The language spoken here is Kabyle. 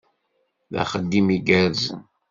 D axeddim igerrzen.